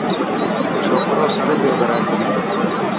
ڇوڪرو سڏ پيو ڪري.